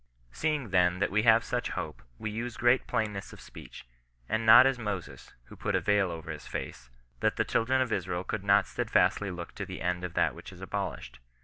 " Seeing then that we have such hope, we use great plainness of speech, and not as Moses, who put a veil over his face, that the children of Israel could not steadfastly look to the end of that which is abolished.